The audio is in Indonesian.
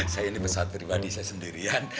saya ini pesawat pribadi saya sendirian